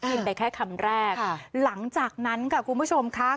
ไปแค่คำแรกหลังจากนั้นค่ะคุณผู้ชมค่ะ